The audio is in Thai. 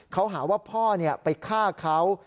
เขาหาว่าพ่อไปฆ่าเขา